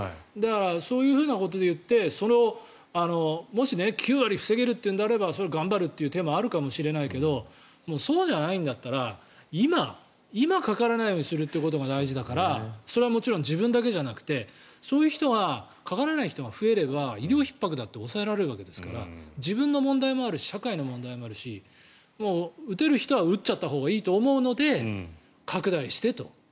そういうことでいうともし、９割防げるというのであればそれは頑張るという手もあるかもしれないけどそうじゃないんだったら今かからないようにすることが大事だからそれはもちろん自分だけじゃなくてそういう人がかからない人が増えれば医療ひっ迫だって抑えられるわけですから自分の問題もあるし社会の問題もあるし打てる人は打っちゃったほうがいいと思うので拡大してと。